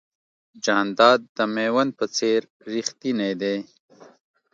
جانداد د مېوند په څېر رښتینی دی.